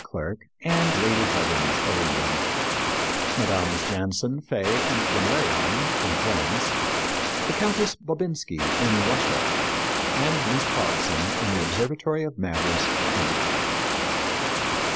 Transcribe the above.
Clerke, and Lady Huggins, of England; Mmes. Jansen, Faye, and Flammarion, in France; the Countess Bobinski, in Russia; and Miss Pogson, in the Observatory of Madras, India.